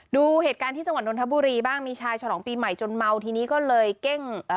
ดูเหตุการณ์ที่จังหวัดนทบุรีบ้างมีชายฉลองปีใหม่จนเมาทีนี้ก็เลยเก้งเอ่อ